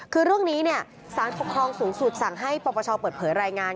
คือเรื่องนี้สารปกครองสูงสุดสั่งให้ปปชเปิดเผยรายงาน